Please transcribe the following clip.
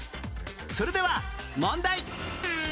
それでは問題